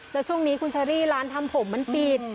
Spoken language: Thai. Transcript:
แล้วช่วงนี้คุณเชอรี่ร้านทำผมมันปิด